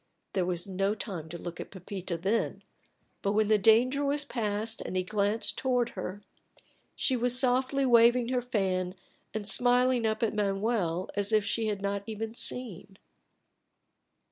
There was no time to look at Pepita then, but when the danger was passed and he glanced toward her, she was softly waving her fan and smiling up at Manuel as if she had not even seen.